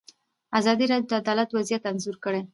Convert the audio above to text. ازادي راډیو د عدالت وضعیت انځور کړی.